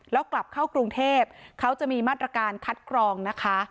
แล้วกลับเข้ากรุงเทพเขาจะมีมาตรการคัดกรองนะคะ